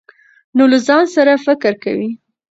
نو له ځان سره فکر کوي ،